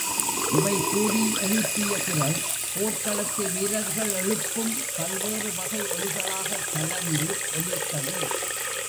இவை கூடி எழுப்பிய குரல் போர்க் களத்து வீரர்கள் எழுப்பும் பல்வேறு வகை ஒலிகளாகக் கலந்து ஒலித்தது.